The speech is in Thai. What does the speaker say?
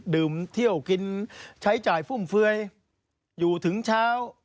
ดื่มเที่ยวกินใช้จ่ายฟุ่มเฟือยอยู่ถึงเช้า